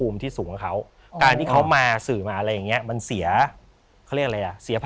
ไม่เขาก็รู้ล่ะครับ